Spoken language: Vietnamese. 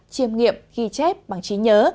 chiêm nghiệm ghi chép bằng trí nhớ